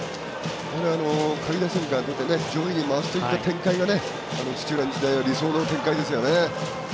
下位打線から上位に回していく展開が、土浦日大は理想の展開ですよね。